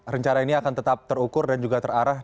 rencana ini akan tetap terukur dan juga terarah